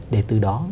để từ đó